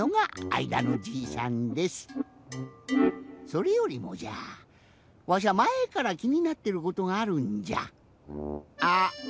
それよりもじゃわしゃまえからきになってることがあるんじゃ。